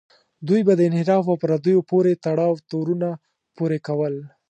دوی به د انحراف او پردیو پورې تړاو تورونه پورې کول.